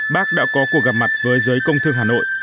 bác đã có cuộc gặp mặt với giới công thương hà nội